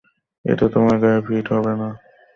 এটা তোমার গায়ে ফিট হবে না।